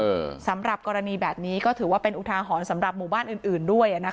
สำหรับกรณีแบบนี้ก็ถือว่าเป็นอุทาหรณ์สำหรับหมู่บ้านอื่นอื่นด้วยอ่ะนะคะ